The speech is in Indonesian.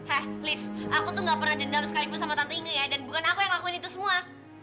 hah lis aku tuh nggak pernah denam sekalipun sama tante inge ya dan bukan aku yang ngelakuin itu semua